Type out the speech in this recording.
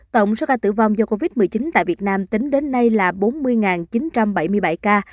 tổng số ca tử vong do covid một mươi chín tại việt nam tính đến nay là bốn mươi chín trăm bảy mươi bảy ca